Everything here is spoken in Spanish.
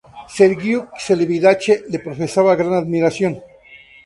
Sergiu Celibidache le profesaba gran admiración.